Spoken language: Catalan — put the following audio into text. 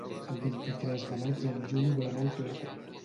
El vint-i-tres de maig en Juli vol anar al teatre.